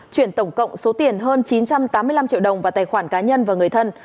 chuyển tổng cộng số tiền hơn chín trăm tám mươi năm triệu đồng vào tài khoản cá nhân và người thân